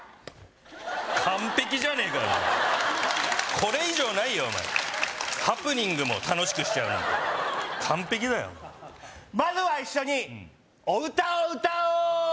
これ以上ないよお前ハプニングも楽しくしちゃうなんて完璧だよまずは一緒にお歌を歌おう！